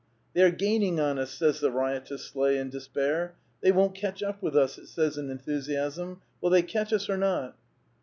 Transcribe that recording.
"*' They are gaining on ns," says the riotous sleigh in despair. They won't catch up with us," it says in enthu siasm. " Will thev catch us or not?